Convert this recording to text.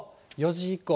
４時以降。